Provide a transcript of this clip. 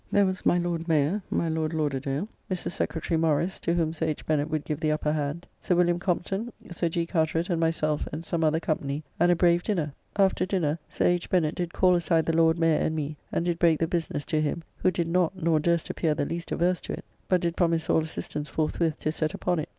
There was my Lord Mayor, my Lord Lauderdale, Mr. Secretary Morris, to whom Sir H. Bennet would give the upper hand; Sir Wm. Compton, Sir G. Carteret, and myself, and some other company, and a brave dinner. After dinner, Sir H. Bennet did call aside the Lord Mayor and me, and did break the business to him, who did not, nor durst appear the least averse to it, but did promise all assistance forthwith to set upon it.